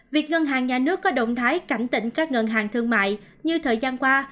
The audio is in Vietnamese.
việc ngân hàng nhà nước có động thái cảnh tỉnh các ngân hàng thương mại như thời gian qua